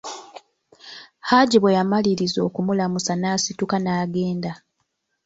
Haji bwe yamaliriza okumulamusa n'asituka naagenda.